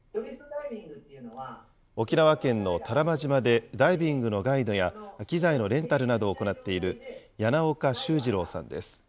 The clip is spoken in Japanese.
沖縄県の多良間島でダイビングのガイドや機材のレンタルなどを行っている柳岡秀二郎さんです。